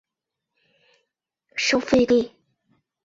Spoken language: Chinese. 圣费利。